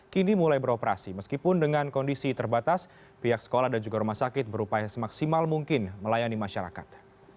kini mulai beroperasi meskipun dengan kondisi terbatas pihak sekolah dan juga rumah sakit berupaya semaksimal mungkin melayani masyarakat